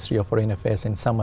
tôi có thể ngồi xuống